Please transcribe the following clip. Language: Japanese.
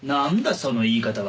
その言い方は。